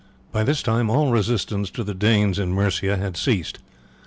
By this time all resistance to the Danes in Mercia had ceased.